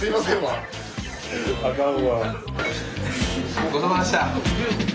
ごちそうさまでした。